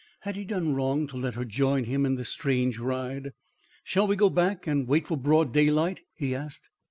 Had he done wrong to let her join him in this strange ride? "Shall we go back and wait for broad daylight?" he asked.